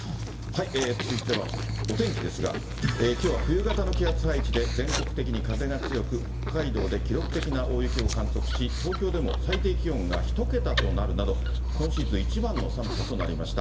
続いてはお天気ですが、きょうは冬型の気圧配置で、全国的に風が強く、北海道で記録的な大雪を観測し、東京でも最低気温が１桁となるなど、今シーズン一番の寒さとなりました。